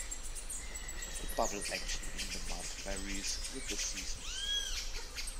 The bubble action in the mud varies with the seasons.